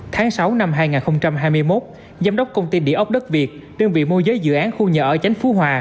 tháng sáu năm hai nghìn hai mươi một giám đốc công ty địa ốc đất việt đơn vị môi giới dự án khu nhà ở chánh phú hòa